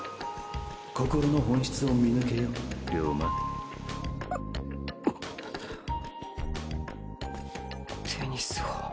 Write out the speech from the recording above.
心の本質を見抜けよリョーマテニスを。